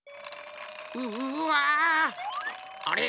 うわ！あれ？